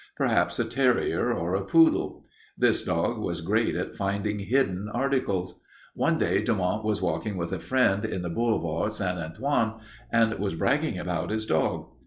Perhaps a terrier or a poodle. This dog was great at finding hidden articles. One day Dumont was walking with a friend in the Boulevard St. Antoine and was bragging about his dog.